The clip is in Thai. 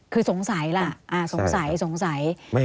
คือสงสัยล่ะสงสัย